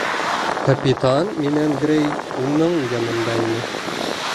Капитан менән Грей уның янында ине.